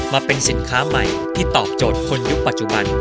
มาเป็นสินค้าใหม่ที่ตอบโจทย์คนยุคปัจจุบัน